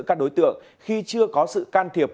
các đối tượng khi chưa có sự can thiệp